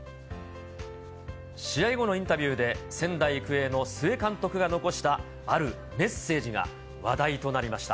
試合後のインタビューで、仙台育英の須江監督が残したあるメッセージが話題となりました。